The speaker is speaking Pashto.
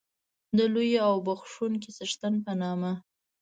د لوی او بښوونکي څښتن په نامه.